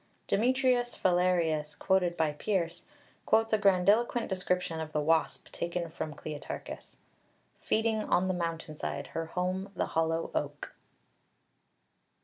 Demetrius Phalereus, quoted by Pearce, quotes a grandiloquent description of the wasp taken from Kleitarchus, "feeding on the mountainside, her home the hollow oak."